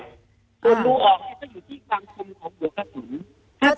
ส่วนรูออกก็อยู่ที่ความกลมของหัวข้าศูนย์